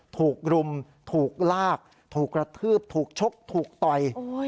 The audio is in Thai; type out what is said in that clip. ถูกรุมถูกลากถูกกระทืบถูกชกถูกต่อย